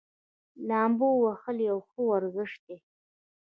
لامبو وهل یو ښه ورزش دی.